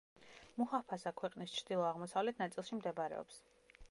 მუჰაფაზა ქვეყნის ჩრდილო-აღმოსავლეთ ნაწილში მდებარეობს.